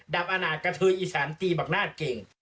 ดับอาณาจกะเทืออีสานตีบังนาตเก่ง